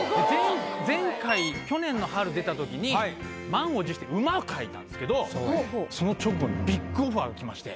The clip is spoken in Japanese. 前回去年の春出た時に満を持して馬を描いたんすけどその直後にビッグオファーが来まして。